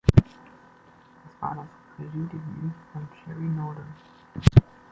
Es war das Regiedebüt von Cherie Nowlan.